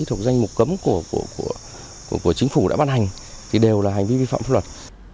thuộc danh mục cấm của chính phủ đã ban hành thì đều là hành vi vi phạm pháp luật